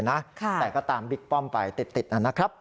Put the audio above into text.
แต่ก็ตามบิ๊กป้อมไปติดนะครับ